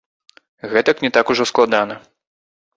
Гэтак не так ужо складана.